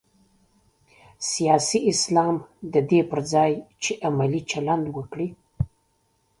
سیاسي اسلام د دې پر ځای چې علمي چلند وکړي.